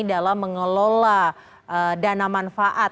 dalam mengelola dana manfaat